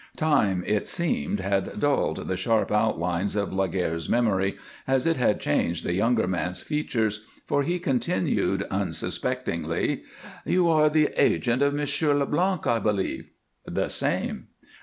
Time, it seemed, had dulled the sharp outlines of Laguerre's memory as it had changed the younger man's features, for he continued, unsuspectingly: "You are the agent of Monsieur Leblanc, I believe." "The same."